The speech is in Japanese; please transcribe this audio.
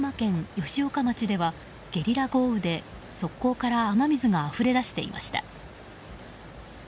吉岡町ではゲリラ豪雨で側溝から雨水があふれ出していました。